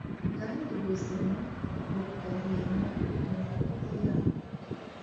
kandi ubuzima bukabima mu maboko yabo